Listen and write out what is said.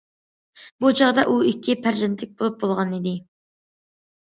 بۇ چاغدا ئۇ ئىككى پەرزەنتلىك بولۇپ بولغانىدى.